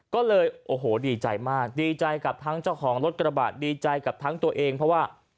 ก็เลยโอ้โหดีใจมากดีใจกับทั้งเจ้าของรถกระบะดีใจกับทั้งตัวเองเพราะว่า